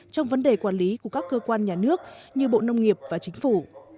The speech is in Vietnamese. trong vấn đề quản lý của các cơ quan nhà nước như bộ nông nghiệp và chính phủ